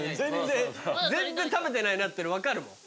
全然食べてないなっての分かるもん。